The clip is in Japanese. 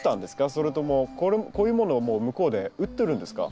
それともこういうものをもう向こうで売ってるんですか？